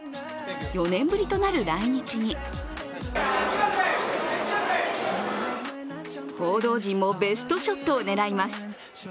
４年ぶりとなる来日に報道陣もベストショットを狙います。